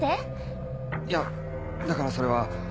いやだからそれは。